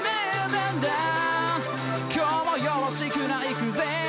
「今日もよろしくないくぜ！」